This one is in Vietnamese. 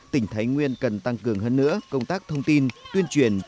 tỉnh thái nguyên cần tăng cường hơn nữa công tác thông tin tuyên truyền